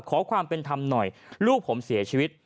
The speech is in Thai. ขอความเป็นธรรมหน่อยลูกผมเสียชีวิต